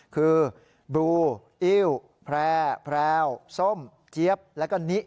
คือบลูอิ้วแพร่แพรวส้มเจี๊ยบแล้วก็นิ